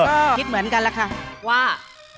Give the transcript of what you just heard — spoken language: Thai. ก็คิดเหมือนกันแหละค่ะว่า